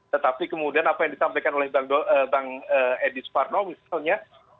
tetapi kemudian apa yang disampaikan oleh bang edi suparno misalnya